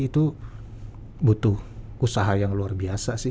itu butuh usaha yang luar biasa sih